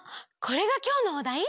これがきょうのおだい？